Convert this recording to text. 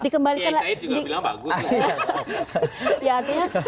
kiai said juga bilang bagus